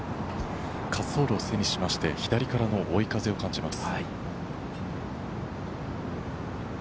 滑走路を背にして、左からの追い風を感じます。